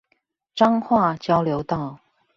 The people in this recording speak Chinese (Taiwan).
彰化交流道